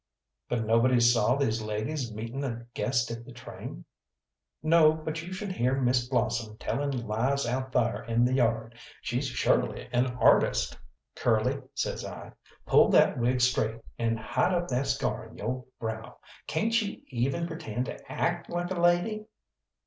"But nobody saw these ladies meeting a guest at the train." "No, but you should hear Miss Blossom telling lies out thar in the yard! She's surely an artist." "Curly," says I, "pull that wig straight, and hide up that scar on yo' brow. Cayn't you even pretend to act like a lady?"